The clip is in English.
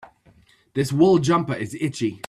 This wool jumper is itchy.